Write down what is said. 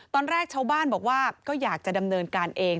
ตอนแรกชาวบ้านบอกว่าก็อยากจะดำเนินการเอง